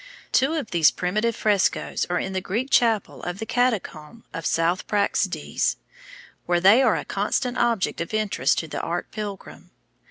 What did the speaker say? Two of these primitive frescos are in the Greek chapel of the Catacomb of S. Praxedes, where they are a constant object of interest to the art pilgrim.